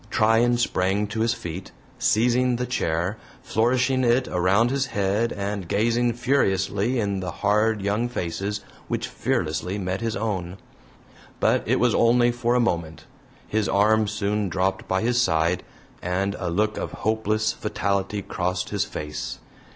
Tryan sprang to his feet, seizing the chair, flourishing it around his head and gazing furiously in the hard young faces which fearlessly met his own. But it was only for a moment; his arm soon dropped by his side, and a look of hopeless fatality crossed his face.